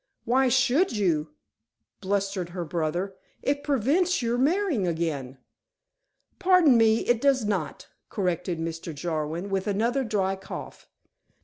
"Why should you?" blustered her brother. "It prevents your marrying again." "Pardon me, it does not," corrected Mr. Jarwin, with another dry cough.